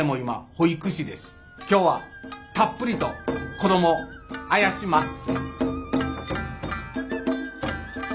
今日はたっぷりと子どもあやしまっせ。